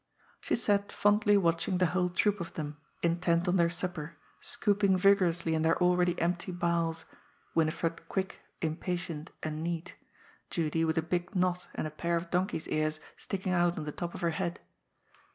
She sat fondly watching the whole troop of them, intent on their supper, scooping vigorously in their already empty bowls, Winifred quick, impatient and neat, Judy with a big knot and a pair of donkey's ears sticking out on the top of her head.